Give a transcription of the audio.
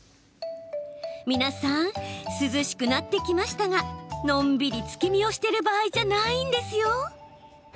皆さん涼しくなってきましたがのんびり月見をしてる場合じゃないんですよ。